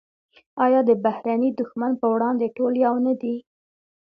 آیا د بهرني دښمن پر وړاندې ټول یو نه دي؟